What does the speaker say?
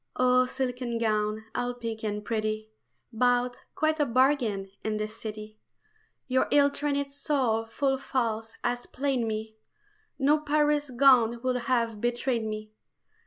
OH, silken gown, all pink and pretty, Bought, quite a bargain, in the City, Your ill trained soul full false has played me No Paris gown would have betrayed me.